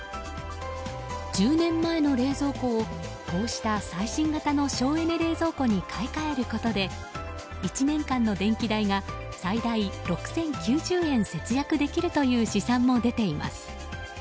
１０年前の冷蔵庫をこうした最新型の省エネ冷蔵庫に買い替えることで１年間の電気代が最大６０９０円節約できるという試算も出ています。